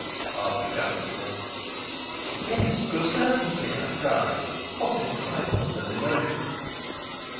asked the constable. "Yes, to a certainty," I cried, hot in excitement and emotion.